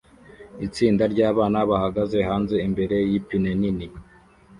Itsinda ryabana bahagaze hanze imbere yipine nini